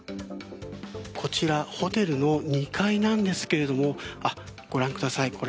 こちらホテルの２階なんですけれどご覧ください。